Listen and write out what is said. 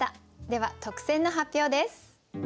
では特選の発表です。